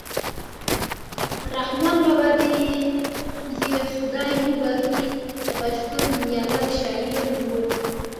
رحمان بابا دې یې خدای وبښي د پښتو نومیالی شاعر ؤ.